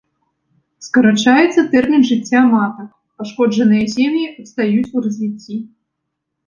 Скарачаецца тэрмін жыцця матак, пашкоджаныя сем'і адстаюць ў развіцці.